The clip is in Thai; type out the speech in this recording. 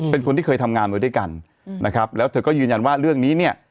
เป็นคนที่เคยทำงานมาด้วยกันนะครับแล้วเธอก็ยืนยันว่าเรื่องนี้เนี่ย